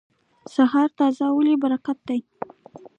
سهار د تازه والي برکت دی.